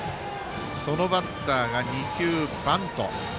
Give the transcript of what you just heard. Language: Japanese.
そのバッターが、２球バント。